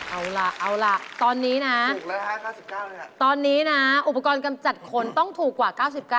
เอาล่ะเอาล่ะตอนนี้นะ๙๙ตอนนี้นะอุปกรณ์กำจัดขนต้องถูกกว่า๙๙